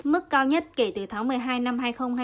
mức cao nhất kể từ tháng một mươi hai năm hai nghìn hai mươi